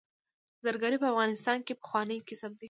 زرګري په افغانستان کې پخوانی کسب دی